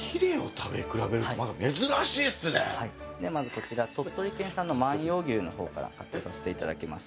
こちら鳥取県産の万葉牛のほうからカットさせていただきます。